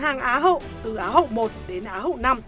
hàng á hậu từ á hậu một đến á hậu năm